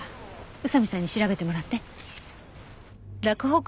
宇佐見さんに調べてもらって。